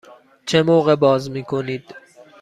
چه موقع باز می کنید؟